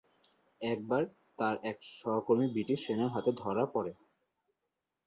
একবার, তার এক সহকর্মী ব্রিটিশ সেনার হাতে ধরা পড়ে।